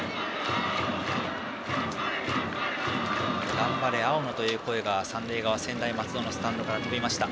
頑張れ、青野という声が三塁側、専大松戸のスタンドから飛びました。